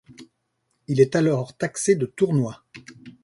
Il est alors taxé de tournois.